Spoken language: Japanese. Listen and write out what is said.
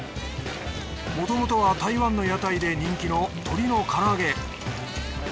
もともとは台湾の屋台で人気の鶏のから揚げ。